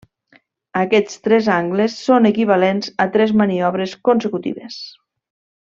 Aquests tres angles són equivalents a tres maniobres consecutives.